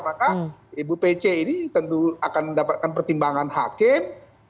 maka ibu pc ini tentu akan mendapatkan pertimbangan hakim